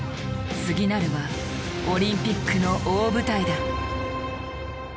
次なるはオリンピックの大舞台だ。